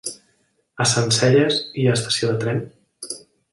A Sencelles hi ha estació de tren?